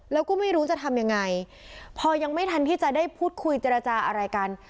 แล้วก็ไม่รู้จะทำยังไงพอยังไม่ทันที่จะได้พูดคุยเจรจาอะไรกัน